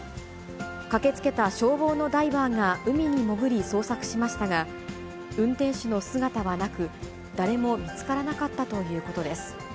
駆けつけた消防のダイバーが海に潜り捜索しましたが、運転手の姿はなく、誰も見つからなかったということです。